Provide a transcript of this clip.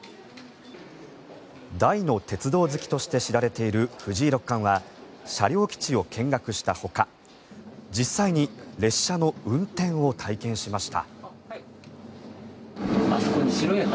大の鉄道好きとして知られている藤井六冠は車両基地を見学したほか実際に列車の運転を体験しました。